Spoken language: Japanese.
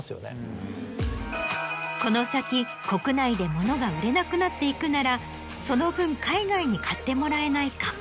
この先国内で物が売れなくなっていくならその分海外に買ってもらえないか？